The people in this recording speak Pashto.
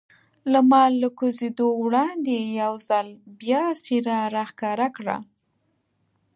لمر له کوزېدو وړاندې یو ځل بیا څېره را ښکاره کړل.